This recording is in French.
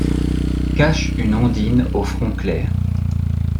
Cache une ondine au front clair ;